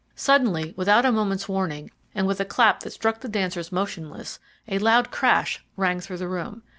Suddenly, without a moment's warning, and with a clap that struck the dancers motionless, a loud crash rang through the room.